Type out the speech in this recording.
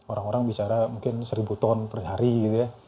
orang orang bicara mungkin seribu ton per hari gitu ya